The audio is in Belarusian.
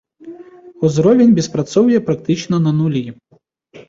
Узровень беспрацоўя практычна на нулі.